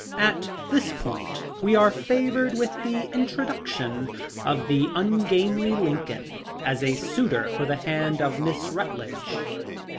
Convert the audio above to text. At this point we are favored with the introduc tion of the ungainly Lincoln, as a suitor for the hand of Miss Rutledge.